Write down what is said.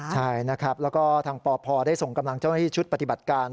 ใช่นะครับแล้วก็ทางปพได้ส่งกำลังเจ้าหน้าที่ชุดปฏิบัติการ